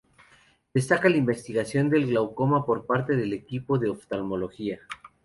Destaca la investigación del glaucoma por parte del equipo de oftalmología.